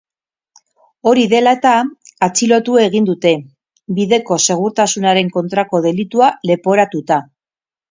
Hori dela eta, atxilotu egin dute, bideko segurtasunaren kontrako delitua leporatuta.